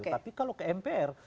tapi kalau ke mpr